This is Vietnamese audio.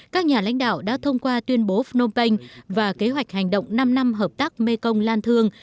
các nhà lãnh đạo đã thông qua tuyên bố phnom penh và kế hoạch hành động năm năm hợp tác mekong lan thương